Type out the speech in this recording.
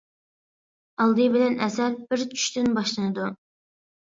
ئالدى بىلەن ئەسەر بىر چۈشتىن باشلىنىدۇ.